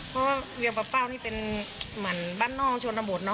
เพราะว่าเวียงปะเป้านี่เป็นเหมือนบ้านนอกชนบทเน